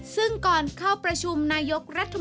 ซึ่งก่อนเข้าประชุมนายกรัฐมนตรี